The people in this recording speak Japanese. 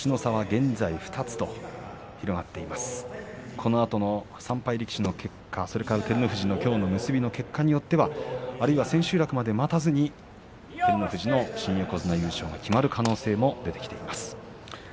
このあとの３敗力士の結果それから照ノ富士のきょうの結びの結果によってはあるいは千秋楽まで待たずに照ノ富士の新横綱優勝が決まる可能性も出てきています。